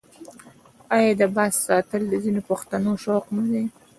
آیا د باز ساتل د ځینو پښتنو شوق نه دی؟